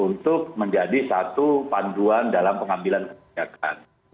untuk menjadi satu panduan dalam pengambilan kebijakan